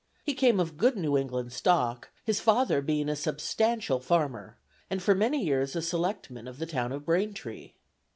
He came of good New England stock, his father being a substantial farmer, and for many years a selectman of the town of Braintree.